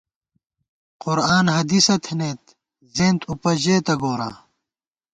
قرآن حدیثہ تھنَئیت، زینت اُوپہ ژېتہ گوراں